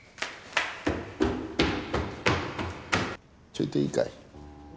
ちょいといいかい。